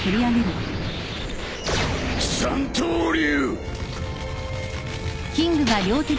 三刀流。